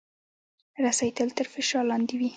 رسۍ تل تر فشار لاندې وي.